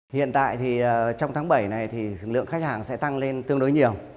hiện tại thì trong tháng bảy này thì lượng khách hàng sẽ tăng lên tương đối nhiều